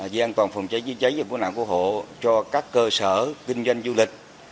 về an toàn phòng cháy chế cháy và quân hạng của hộ cho các cơ sở kinh doanh du lịch